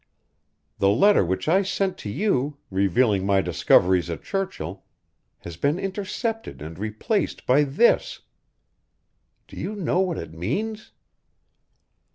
The letter which I sent to you, revealing my discoveries at Churchill, has been intercepted and replaced by this. Do you know what it means?"